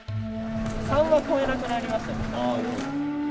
３は超えなくなりましたね。